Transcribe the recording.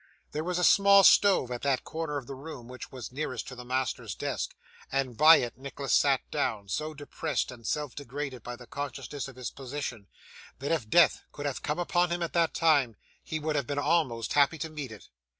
There was a small stove at that corner of the room which was nearest to the master's desk, and by it Nicholas sat down, so depressed and self degraded by the consciousness of his position, that if death could have come upon him at that time, he would have been almost happy to meet it.